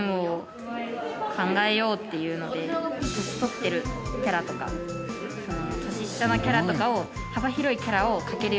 年取ってるキャラとか年下のキャラとかを幅広いキャラを描けるようになろうっていう。